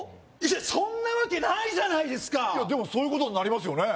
そんなわけないじゃないですかいやでもそういうことになりますよね